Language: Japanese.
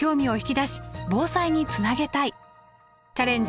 「チャレンジ！